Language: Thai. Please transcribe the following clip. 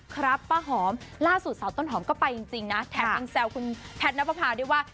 ครับป้าหอมล่าสุดสาวต้นหอมก็ไปจริงนะแถมยังแซวคุณแพทย์นับประพาด้วยว่า